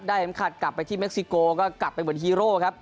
เข็มขัดกลับไปที่เม็กซิโกก็กลับไปเหมือนฮีโร่ครับ